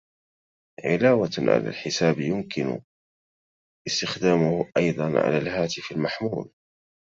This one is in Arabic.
علاوة على الحاسب يمكن استخدامه أيضاً على الهاتف المحمول.